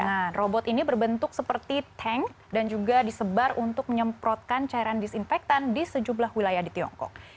nah robot ini berbentuk seperti tank dan juga disebar untuk menyemprotkan cairan disinfektan di sejumlah wilayah di tiongkok